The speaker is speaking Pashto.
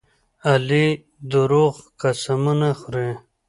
علي دروغ قسمونه خوري.